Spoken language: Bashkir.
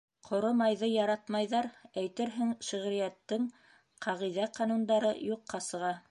Ҡоро майҙы яратмайҙар Әйтерһең, шиғриәттең ҡағиҙә-ҡанундары юҡҡа сыға.